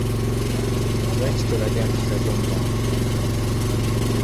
Lwaki tolaga mpisa zo mu bantu?